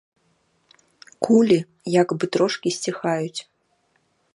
Кулі як бы трошкі сціхаюць.